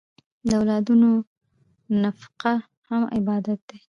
د اولادونو نفقه هم عبادت دی.